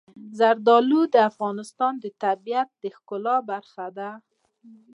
زردالو د افغانستان د طبیعت د ښکلا برخه ده.